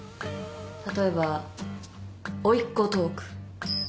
例えばおいっ子トーク。